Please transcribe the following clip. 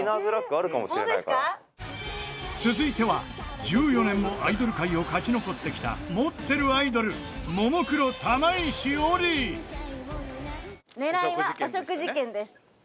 続いては、１４年もアイドル界を勝ち残ってきた持ってるアイドルももクロ、玉井詩織塚地：